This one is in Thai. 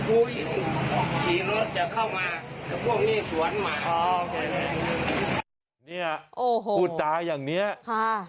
พี่รถจะเข้ามากับพวกนี้สวนหมาอ๋อโอ้โหพูดจาอย่างเนี้ยค่ะ